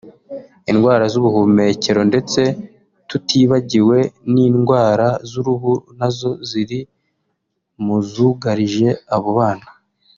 indwara z’ubuhumekero ndetse tutibagiwe n’indwara z’uruhu nazo ziri mu zugarije abo bana